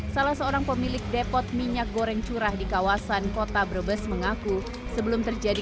salah seorang pemilik depot minyak goreng curah di kawasan kota brebes mengaku sebelum terjadi